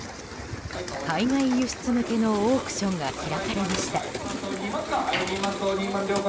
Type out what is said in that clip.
海外輸出向けのオークションが開かれました。